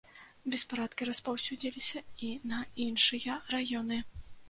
Беспарадкі распаўсюдзіліся і на іншыя раёны.